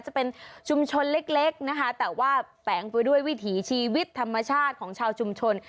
จะเป็นชุมชนเล็กนะคะแต่ว่าแฝงไปด้วยวิถีชีวิตธรรมชาติของชาวชุมชน